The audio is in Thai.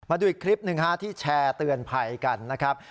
มาดูอีกคลิปหนึ่งที่แชร์เตือนภัยกันนะครับ